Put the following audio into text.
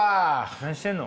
何してんの？